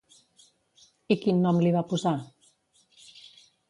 I quin nom li va posar?